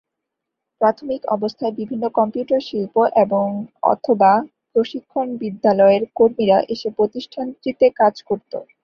প্রাথমিক অবস্থায় বিভিন্ন কম্পিউটার শিল্প এবং/অথবা প্রশিক্ষণ বিদ্যালয়ের কর্মীরা এসে প্রতিষ্ঠানটিতে কাজ করত।